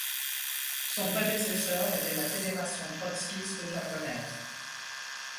Son prédécesseur était la Fédération trotskyste japonaise.